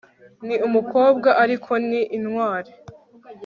Ni umukobwa ariko ni intwari